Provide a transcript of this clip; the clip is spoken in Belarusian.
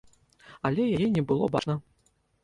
Але яе не было бачна.